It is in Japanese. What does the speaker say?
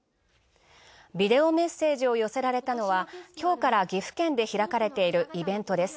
ビデオメッセージを寄せられたのは今日から岐阜県で行われているイベントです。